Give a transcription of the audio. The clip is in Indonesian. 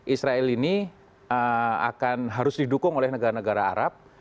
israel ini akan harus didukung oleh negara negara arab